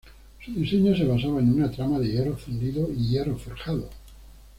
Su diseño se basaba en una trama de hierro fundido y hierro forjado.